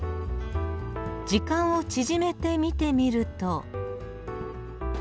時間を縮めて見てみると。